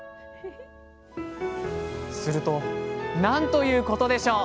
するとなんということでしょう。